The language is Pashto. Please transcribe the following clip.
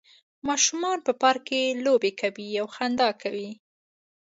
ماشومان په پارک کې لوبې کوي او خندا کوي